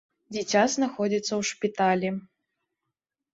Дзіця знаходзіцца ў шпіталі.